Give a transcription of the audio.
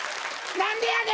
「何でやねん」